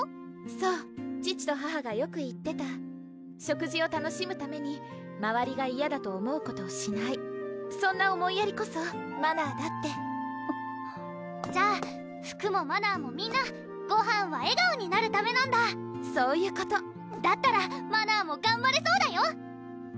そう父と母がよく言ってた食事を楽しむためにまわりが嫌だと思うことをしないそんな思いやりこそマナーだってじゃあ服もマナーもみんなごはんは笑顔になるためなんだそういうことだったらマナーもがんばれそうだよ！